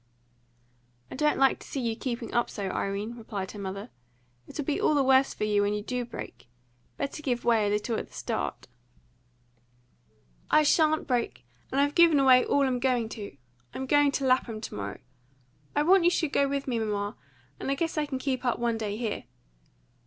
"I don't like to see you keeping up so, Irene," replied her mother. "It'll be all the worse for you when you do break. Better give way a little at the start." "I shan't break, and I've given way all I'm going to. I'm going to Lapham to morrow, I want you should go with me, mamma, and I guess I can keep up one day here.